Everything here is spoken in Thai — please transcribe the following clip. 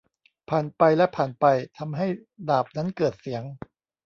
ผ่านไปและผ่านไป ทำให้ดาบนั้นเกิดเสียง